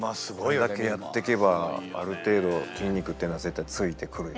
こんだけやってけばある程度筋肉っていうのは絶対ついてくるので。